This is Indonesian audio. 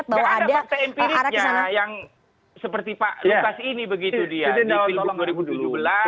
tidak ada pak tmpric nya yang seperti pak lukas ini begitu dia